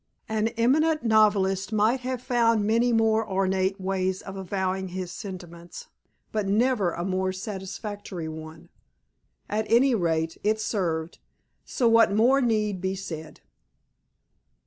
An eminent novelist might have found many more ornate ways of avowing his sentiments, but never a more satisfactory one. At any rate, it served, so what more need be said?